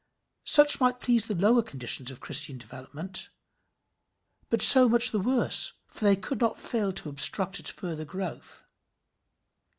Such might please the lower conditions of Christian development but so much the worse, for they could not fail to obstruct its further growth.